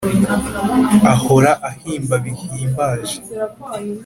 Ahora ahimba bihimbaje